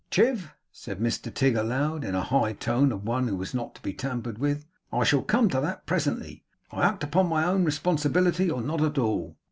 'Chiv,' said Mr Tigg aloud, in the high tone of one who was not to be tampered with. 'I shall come to that presently. I act upon my own responsibility, or not at all.